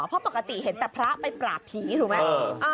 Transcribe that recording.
เพราะปกติเห็นแต่พระไปปราบผีถูกไหม